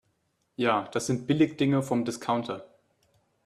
Ja, das sind Billigdinger vom Discounter.